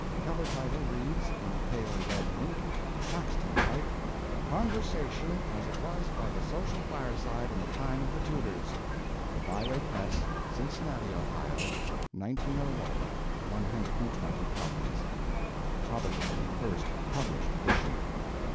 Cover title reads, in pale red ink, Caxton type, Conversation As It Was By The Social Fire side In The Time Of The Tudors. [The Byway Press, Cincinnati, Ohio, 1901, 120 copies.] Probably the first published edition.